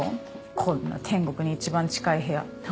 こんな天国に一番近い部屋卵